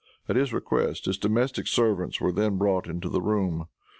At his request his domestic servants were then brought into the room.